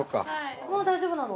もう大丈夫なの？